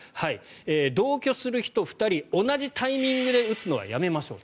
同居する人２人同じタイミングで打つのはやめましょう。